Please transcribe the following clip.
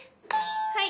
はい！